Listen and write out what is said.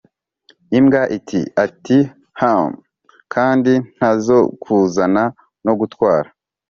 imbwa iti: "ati" humph! " 'kandi ntazokuzana no gutwara.'